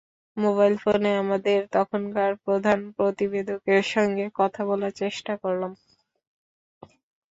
Mobile ফোনে আমাদের তখনকার প্রধান প্রতিবেদকের সঙ্গে কথা বলার চেষ্টা করলাম।